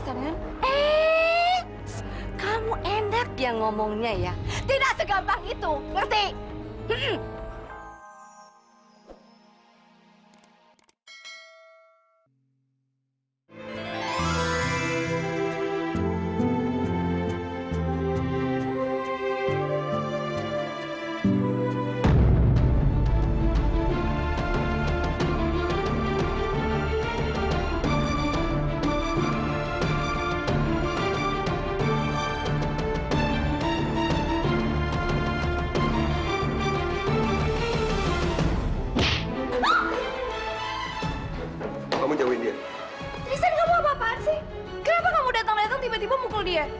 kenapa kamu datang datang tiba tiba mukul dia